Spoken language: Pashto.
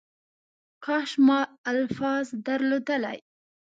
کاش ما الفاظ درلودلی .